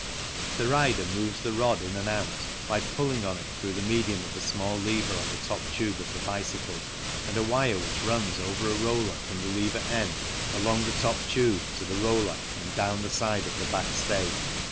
The rider moves the rod in and out by pulling on it through the medium of a small lever on the top tube of the bicycle, and a wire which runs over a roller from the lever end along the top tube to the roller and down the side of the back stay.